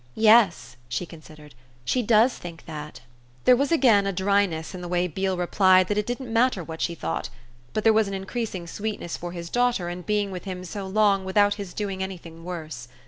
"Yes," she considered; "she does think that." There was again a dryness in the way Beale replied that it didn't matter what she thought; but there was an increasing sweetness for his daughter in being with him so long without his doing anything worse.